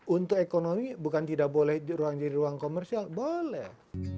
untuk ekonomi bukan tidak boleh ruang jadi ruang komersial boleh